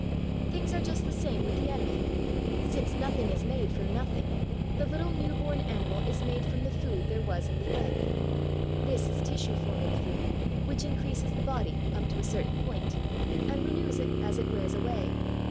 Things are just the same with the animal. Since nothing is made from nothing, the little new born animal is made from the food there was in the egg. This is tissue forming food which increases the body, up to a certain point, and renews it as it wears away.